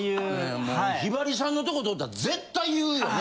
ひばりさんのとこ通ったら絶対言うよね。